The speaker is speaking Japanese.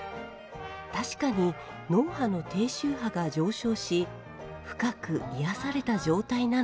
確かに脳波の低周波が上昇し深く癒やされた状態なのが分かる。